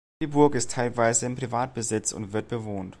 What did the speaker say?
Die Burg ist teilweise im Privatbesitz und wird bewohnt.